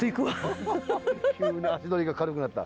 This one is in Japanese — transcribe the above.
急に足取りが軽くなった。